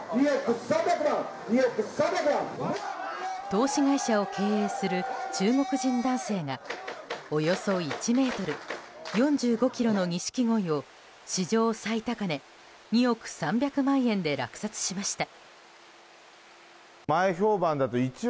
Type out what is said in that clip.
投資会社を経営する中国人男性がおよそ１ｍ、４５ｋｇのニシキゴイを史上最高値、２億３００万円で落札しました。